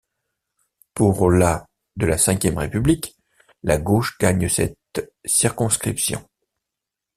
Pour la de la Vème république, la Gauche gagne cette circonscription.